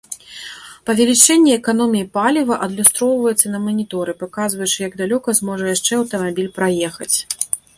Павелічэнне эканоміі паліва адлюстроўваецца на маніторы, паказваючы, як далёка зможа яшчэ аўтамабіль праехаць.